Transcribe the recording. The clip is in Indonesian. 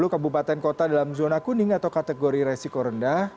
sepuluh kabupaten kota dalam zona kuning atau kategori resiko rendah